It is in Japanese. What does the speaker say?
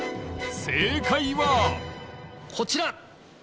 正解はこちら！